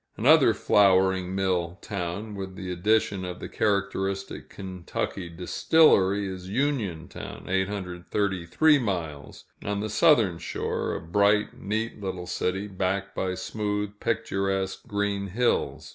Another flouring mill town, with the addition of the characteristic Kentucky distillery, is Uniontown (833 miles), on the southern shore a bright, neat little city, backed by smooth, picturesque green hills.